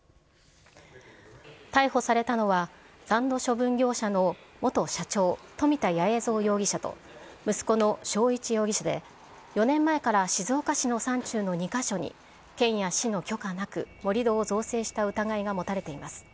逮捕されたのは、残土処分業者の元社長、富田八重三容疑者と、息子の生一容疑者で、４年前から静岡市の山中の２か所に県や市の許可なく、盛り土を造成した疑いが持たれています。